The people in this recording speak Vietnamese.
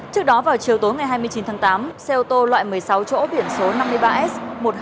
trước đó vào chiều tối ngày hai mươi chín tháng tám xe ô tô loại một mươi sáu chỗ biển số năm mươi ba s một nghìn một trăm hai mươi